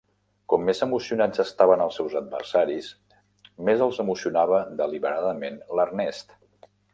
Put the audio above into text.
Com més emocionats estaven els seus adversaris, més els emocionava deliberadament l'Ernest.